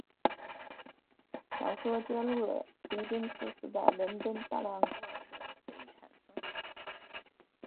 小说揭露了狄更斯时代伦敦大量孤儿的悲惨生活。